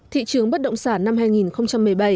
thị trường bất động sản năm hai nghìn một mươi bảy